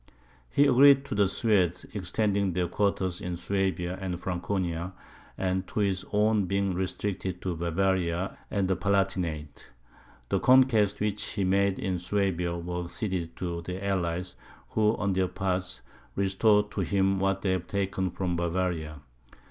He agreed to the Swedes extending their quarters in Suabia and Franconia, and to his own being restricted to Bavaria and the Palatinate. The conquests which he had made in Suabia were ceded to the allies, who, on their part, restored to him what they had taken from Bavaria.